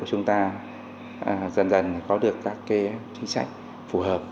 hệ thống quản lý nhà nước của chúng ta dần dần có được các chính sách phù hợp